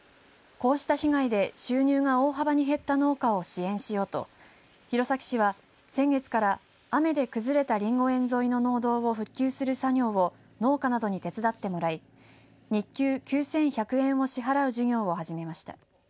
こうした被害で収入が大幅に減った農家を支援しようと弘前市は先月から雨で崩れたりんご園沿いの農道を復旧する作業を農家などに手伝ってもらい日給９１００円を支払う事業を始めました。